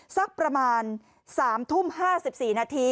สักประมาณ๓ทุ่ม๕๔นาที